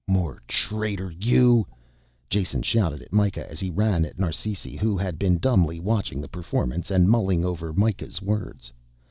"More traitor you," Jason shouted at Mikah as he ran at Narsisi who had been dumbly watching the performance and mulling over Mikah's words.